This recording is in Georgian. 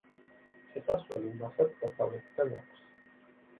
შესასვლელი მასაც დასავლეთიდან აქვს.